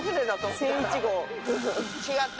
違った。